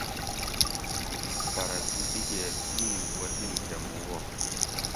پرہ تُو دِگیر اِیں وطِن کہ مُو وو